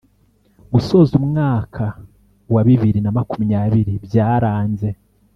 Gusoza umwaka wa bibiri na makumyabiri byaranze